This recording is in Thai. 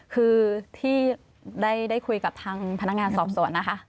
คือที่ได้คุยกับทางพนักงานสอบสวนนะคะ